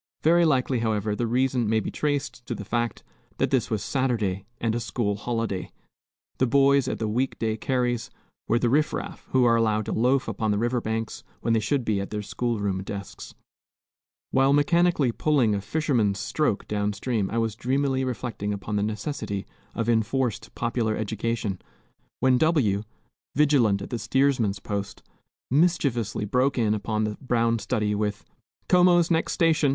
Very likely, however, the reason may be traced to the fact that this was Saturday, and a school holiday. The boys at the week day carries were the riff raff, who are allowed to loaf upon the river banks when they should be at their school room desks. While mechanically pulling a "fisherman's stroke" down stream I was dreamily reflecting upon the necessity of enforced popular education, when W , vigilant at the steersman's post, mischievously broke in upon the brown study with, "Como's next station!